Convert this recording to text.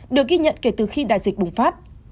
được ghi nhận kể từ khi đại dịch bùng phát